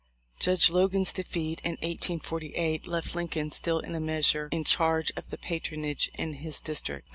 Judge Logan's defeat in 1848 left Lincoln still in a measure in charge of the patronage in his dis trict.